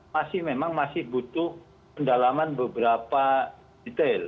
masih memang masih butuh pendalaman beberapa detail